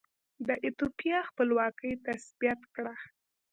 د ایتوپیا خپلواکي تثبیت کړه.